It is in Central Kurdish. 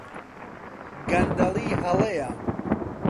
گەندەڵی هەڵەیە.